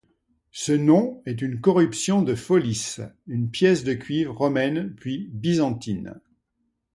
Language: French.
Ce nom est une corruption de follis, une pièce de cuivre romaine puis byzantine.